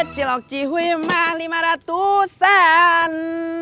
cilok cihwi mahlima ratusan